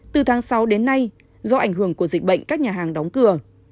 từ tháng sáu đến nay do ảnh hưởng của dịch bệnh các nhà hàng đóng cửa